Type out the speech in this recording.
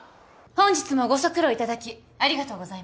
本日もご足労いただきありがとうございます。